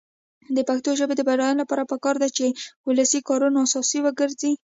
د پښتو ژبې د بډاینې لپاره پکار ده چې ولسي کارونه اساس وګرځي.